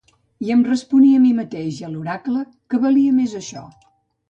I em responia a mi mateix i a l'oracle que valia més això.